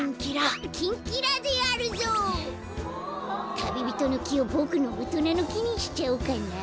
タビビトノキをボクのおとなのきにしちゃおうかな。